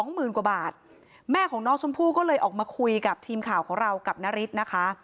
หมื่นกว่าบาทแม่ของน้องชมพู่ก็เลยออกมาคุยกับทีมข่าวของเรากับนาริสนะคะ